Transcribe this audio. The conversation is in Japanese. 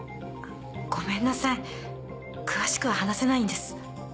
ごめんなさい詳しくは話せないんです。